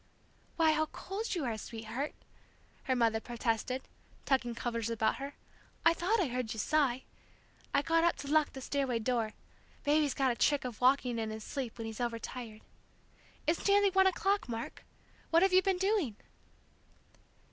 "Why, how cold you are, sweetheart!" her mother protested, tucking covers about her. "I thought I heard you sigh! I got up to lock the stairway door; Baby's gotten a trick of walking in his sleep when he's overtired. It's nearly one o'clock, Mark! What have you been doing?"